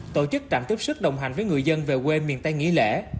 tổ chức trạm tiếp sức đồng hành với người dân về quê miền tây nghỉ lễ